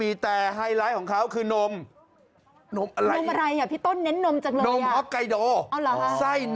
มีนั่นไงคะใกล้กับชาไทย